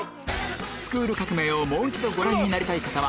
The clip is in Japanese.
『スクール革命！』をもう一度ご覧になりたい方は